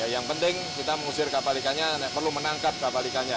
yang penting kita mengusir kapal ikannya perlu menangkap kapal ikannya